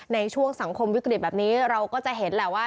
ในช่วงสังคมวิกฤตแบบนี้เราก็จะเห็นแหละว่า